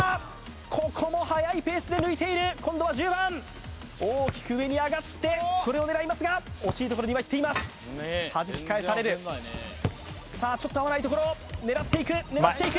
ここも早いペースで抜いている今度は１０番大きく上に上がってそれを狙いますが惜しいところにはいっていますはじき返されるさあちょっと合わないところ狙っていく狙っていく